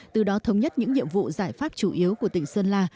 từ đó thống nhất những nhiệm vụ giải pháp chủ yếu của tỉnh sơn la